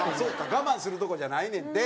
我慢する所じゃないねんて。